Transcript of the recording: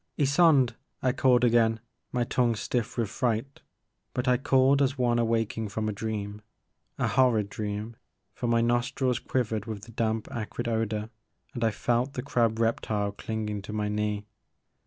"Ysonde!" I called again, my tongue stiff with fright ;— ^but I called as one awaking from a dream — a horrid dream, for my nostrils quivered with the damp acrid odor and I felt the crab rep tile clinging to my knee.